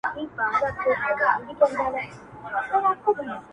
زمـا مــاسوم زړه.